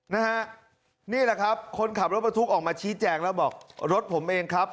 นี่แหละครับคนขับรถบรรทุกออกมาชี้แจงแล้วบอกรถผมเองครับ